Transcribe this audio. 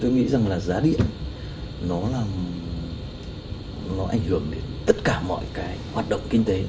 tôi nghĩ rằng là giá điện nó ảnh hưởng đến tất cả mọi hoạt động kinh tế